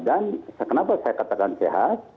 dan kenapa saya katakan sehat